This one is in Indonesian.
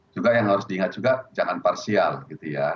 juga yang harus diingat juga jangan parsial gitu ya